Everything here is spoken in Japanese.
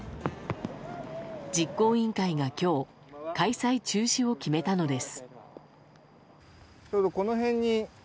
実行委員会が今日開催中止を決めたのです。